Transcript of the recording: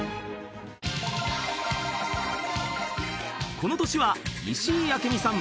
［この年は石井明美さん